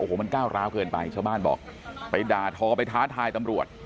โอ้โหมันก้าวร้าวเกินไปชาวบ้านบอกไปด่าทอไปท้าทายตำรวจ